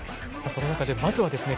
その中でまずはですね